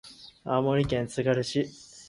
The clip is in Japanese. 青森県つがる市